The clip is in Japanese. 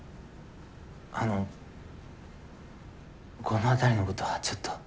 あのこの辺りのことはちょっと。